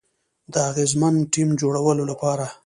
د اغیزمن ټیم جوړولو لپاره